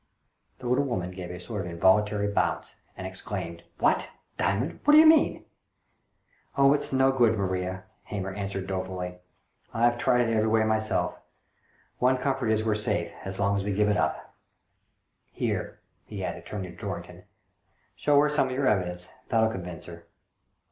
The little woman gave a sort of involuntary bounce, and exclaimed. "What? Diamond? What d'ye mean?" " Oh, it's no good, Maria," Hamer answered dolefully. " I've tried it every way myself. One comfort is we're safe, as long as we give it up. CASE OF THE '' MIIiROR OF PORTUGAL" 145 Here," he added, turning to Dorrington, "show her some of your evidence — that'll convince her."